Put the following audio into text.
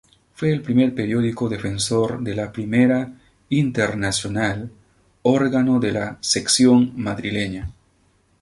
Fue el primer periódico defensor de la Primera Internacional, órgano de la sección madrileña.